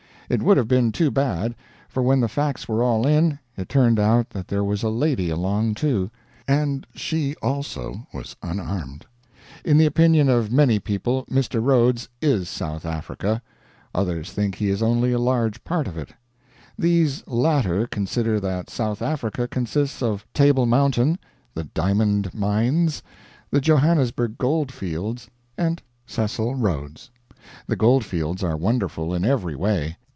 It would have been too bad, for when the facts were all in, it turned out that there was a lady along, too, and she also was unarmed. In the opinion of many people Mr. Rhodes is South Africa; others think he is only a large part of it. These latter consider that South Africa consists of Table Mountain, the diamond mines, the Johannesburg gold fields, and Cecil Rhodes. The gold fields are wonderful in every way.